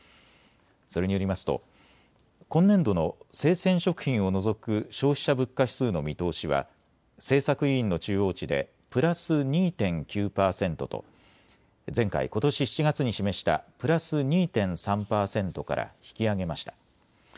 それによりますと今年度の生鮮食品を除く消費者物価指数の見通しは政策委員の中央値でプラス２．９％と前回・ことし７月に示したプラス２．３％から引き上げました。